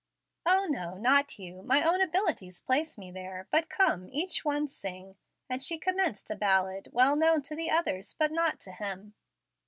"O, no, not you; my own abilities place me there. But come, each one sing"; and she commenced a ballad, well known to the others, but not to him.